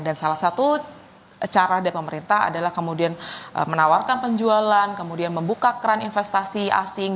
dan salah satu cara dari pemerintah adalah kemudian menawarkan penjualan kemudian membuka keran investasi asing